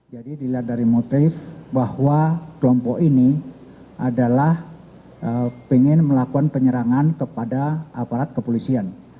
jadi dilihat dari motif bahwa kelompok ini adalah pengen melakukan penyerangan kepada aparat kepolisian